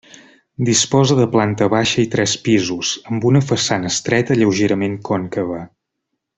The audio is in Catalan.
Disposa de planta baixa i tres pisos, amb una façana estreta lleugerament còncava.